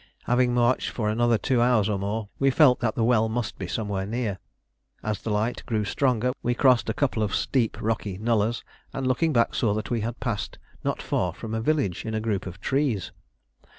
Having marched for another two hours or more, we felt that the well must be somewhere near. As the light grew stronger, we crossed a couple of steep rocky nullahs, and looking back saw that we had passed not far from a village in a group of trees.